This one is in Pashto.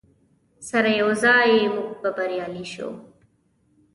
سره یوځای موږ به بریالي شو.